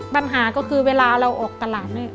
ปัญหาก็คือเวลาเราออกตลาดนี่